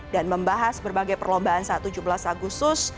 dan membahas berbagai perlombaan saat tujuh belas agustus